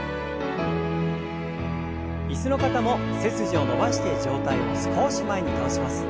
椅子の方も背筋を伸ばして上体を少し前に倒します。